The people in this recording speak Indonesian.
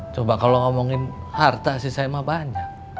coba kalau ngomongin harta sih saya mah banyak